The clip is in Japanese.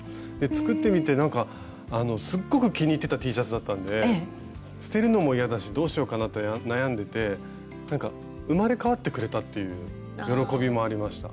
作ってみてなんかすっごく気に入ってたＴシャツだったんで捨てるのも嫌だしどうしようかなって悩んでてなんか生まれ変わってくれたっていう喜びもありました。